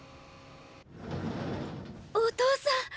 お父さん。